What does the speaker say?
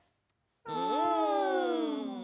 うん。